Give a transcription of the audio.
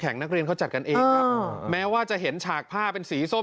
นักเรียนเขาจัดกันเองครับแม้ว่าจะเห็นฉากผ้าเป็นสีส้ม